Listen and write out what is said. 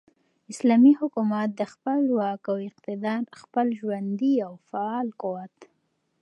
اسلامي حكومت دخپل واك او اقتدار ،خپل ژوندي او فعال قوت ،